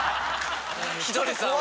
ひとりさんは。